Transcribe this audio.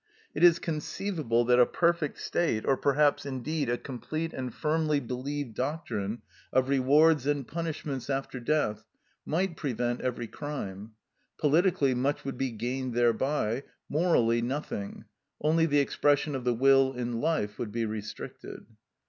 It is conceivable that a perfect state, or perhaps indeed a complete and firmly believed doctrine of rewards and punishments after death, might prevent every crime; politically much would be gained thereby; morally, nothing; only the expression of the will in life would be restricted.